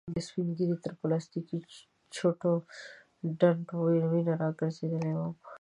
د سپين ږيري تر پلاستيکې چوټو ډنډ وينه را ګرځېدلې وه.